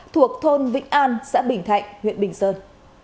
thuộc thôn vĩnh an xã bình thạnh huyện bình sơn